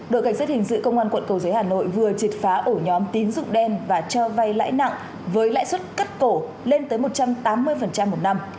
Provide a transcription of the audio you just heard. đội cảnh sát hình sự công an quận cầu giấy hà nội vừa triệt phá ổ nhóm tín dụng đen và cho vay lãi nặng với lãi suất cắt cổ lên tới một trăm tám mươi một năm